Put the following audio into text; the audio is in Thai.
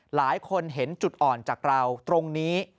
หลายคนเห็นจุดอ่อนจากเราตรงนี้